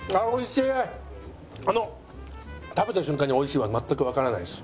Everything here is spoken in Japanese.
あの食べた瞬間に美味しいは全くわからないです。